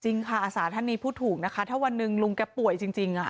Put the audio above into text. จริงค่ะอาสาท่านนี้พูดถูกนะคะถ้าวันหนึ่งลุงแกป่วยจริง